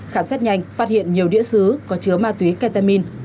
khám xét nhanh phát hiện nhiều địa sứ có chứa ma túy ketamine